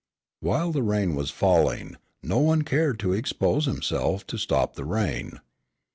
While the rain was falling, no one cared to expose himself to stop the rain.